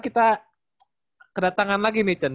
kita kedatangan lagi nih cen